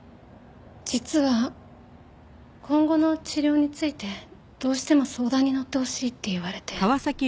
実は今後の治療についてどうしても相談にのってほしいって言われて。